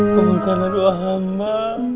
kumulkanlah doa hamba